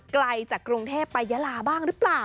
ไกลจากกรุงเทพไปยาลาบ้างหรือเปล่า